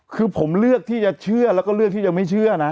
คือผมเลือกที่จะเชื่อแล้วก็เลือกที่จะไม่เชื่อนะ